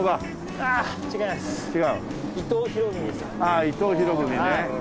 ああ伊藤博文ね。